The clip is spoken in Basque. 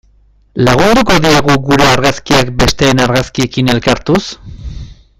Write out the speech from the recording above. Lagunduko diegu gure argazkiak besteen argazkiekin elkartuz?